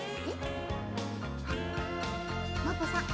ノッポさん